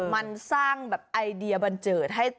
มันสร้างแบบไอเดียบันเจิดให้